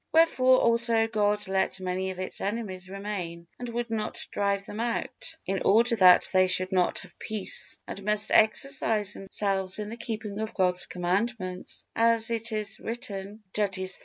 Wherefore also God let many of its enemies remain and would not drive them out, in order that they should not have peace and must exercise themselves in the keeping of God's commandments, as it is written, Judges iii.